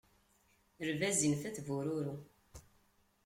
Lbaz infa-t bururu.